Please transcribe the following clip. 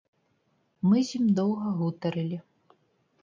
Мы з ім доўга гутарылі.